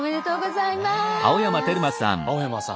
青山さん